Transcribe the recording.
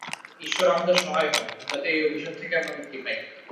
ইশ্বর আমাদের সহায় হোন, যাতে এই অভিশাপ থেকে আমরা মুক্তি পাই।